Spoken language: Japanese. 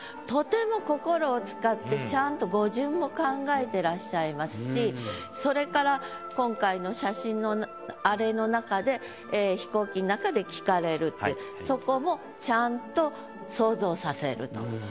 とても心を使ってちゃんと語順も考えてらっしゃいますしそれから今回の写真のあれの中で飛行機の中でそこもちゃんと想像させると。